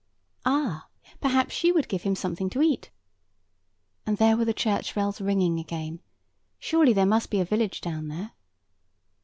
Ah! perhaps she would give him something to eat. And there were the church bells ringing again. Surely there must be a village down there.